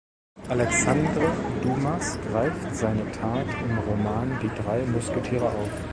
Alexandre Dumas greift seine Tat im Roman „Die drei Musketiere“ auf.